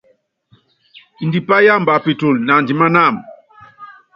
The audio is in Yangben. Ndipá yámba pitulu naandimána wam.